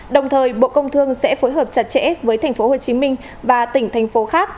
đồng thời bộ công thương sẽ phối hợp chặt chẽ với tp hcm và tỉnh thành phố khác